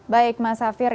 baik mas safir